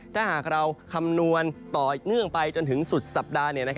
ถ้าหากเราคำนวณต่อเนื่องไปจนถึงสุดสัปดาห์